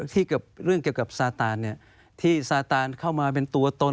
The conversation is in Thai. เกี่ยวกับเรื่องเกี่ยวกับซาตานที่ซาตานเข้ามาเป็นตัวตน